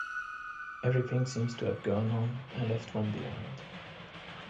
Everything seems to have gone on and left one behind.